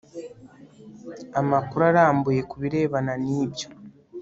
amakuru arambuye ku birebana n ibyo